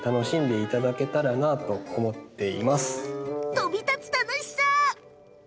飛び立つ楽しさ！